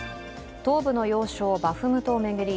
東部の要衝バフムトを巡り